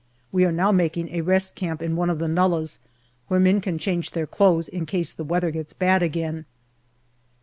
We are now making a rest camp in one of the nullahs, where men can change their clothes in case the weather gets bad again.